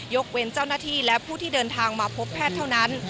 เว้นเจ้าหน้าที่และผู้ที่เดินทางมาพบแพทย์เท่านั้น